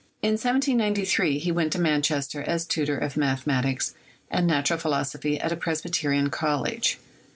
In 1793 he went to Manchester as tutor of mathematics and natural philosophy at a Presbyterian College.